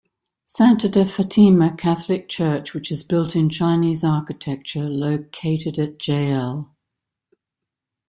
Santa de Fatima Catholic Church, which is built in Chinese architecture located at Jl.